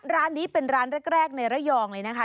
ร้านนี้เป็นร้านแรกในระยองเลยนะคะ